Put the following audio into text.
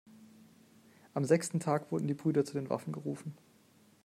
Am sechsten Tage wurden die Brüder zu den Waffen gerufen.